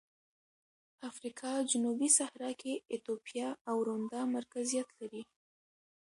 افریقا جنوبي صحرا کې ایتوپیا او روندا مرکزیت لري.